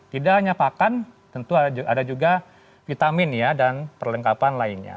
tidak hanya pakan tentu ada juga vitamin dan perlengkapan lainnya